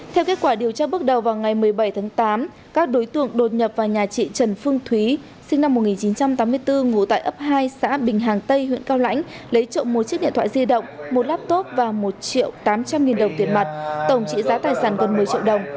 theo kết quả điều tra bước đầu vào ngày một mươi bảy tháng tám các đối tượng đột nhập vào nhà chị trần phương thúy sinh năm một nghìn chín trăm tám mươi bốn ngủ tại ấp hai xã bình hàng tây huyện cao lãnh lấy trộm một chiếc điện thoại di động một laptop và một triệu tám trăm linh nghìn đồng tiền mặt tổng trị giá tài sản gần một mươi triệu đồng